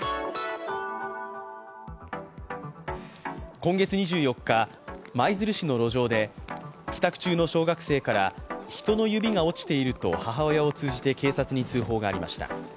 今月２４日、舞鶴市の路上で帰宅中の小学生から人の指が落ちていると母親を通じて警察に通報がありました。